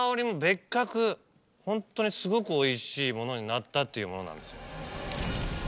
ホントにすごくおいしいものになったっていうものなんですよ。